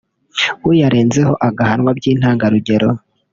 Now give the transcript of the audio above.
uyarenzeho agahanwa by’intangarugero